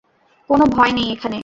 কোনও ভয় নেই এখানে!